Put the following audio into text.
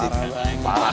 parah bang parah